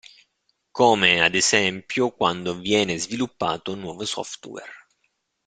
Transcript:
Come, ad esempio, quando viene sviluppato nuovo software.